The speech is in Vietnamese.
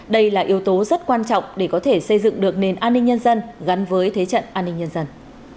đây là yếu tố rất quan trọng để có thể xây dựng được nền an ninh nhân dân gắn với thế trận an ninh nhân dân